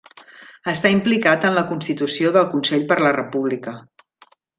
Està implicat en la constitució del Consell per la República.